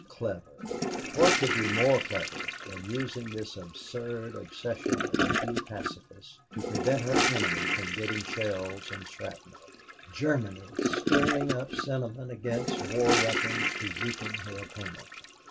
Clever what could be more clever than using this absurd obsession of a few pacifists to prevent her enemy from getting shells and shrapnel! Germany stirring up sentiment against war weapons to weaken her opponent!